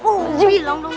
aku bilang dari tadi